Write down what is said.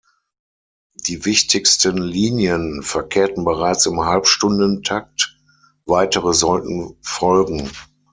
Die wichtigsten Linien verkehrten bereits im Halbstundentakt, weitere sollten folgen.